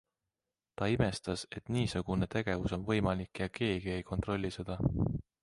Ta imestas, et niisugune tegevus on võimalik ja keegi ei kontrolli seda.